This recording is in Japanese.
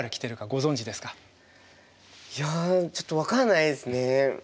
いやちょっと分かんないですね。